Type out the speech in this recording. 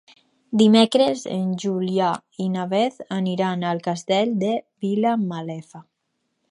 Dimecres en Julià i na Beth aniran al Castell de Vilamalefa.